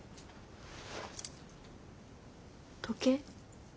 時計。